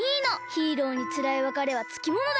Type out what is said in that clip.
ヒーローにつらいわかれはつきものだから。